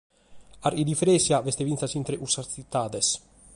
Carchi diferèntzia b’est fintzas intre cussas tzitades.